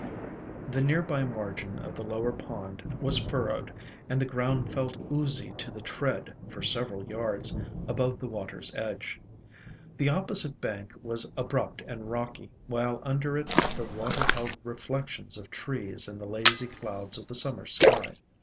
The near by margin of the lower pond was fur rowed, and the ground felt oozy to the tread for several yards above the water's edge. The oppo site bank was abrupt and rocky, while under it the water held reflections of trees and the lazy clouds of the summer sky.